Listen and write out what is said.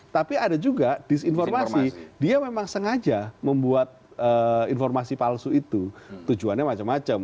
tapi ada juga disinformasi dia memang sengaja membuat informasi palsu itu tujuannya macam macam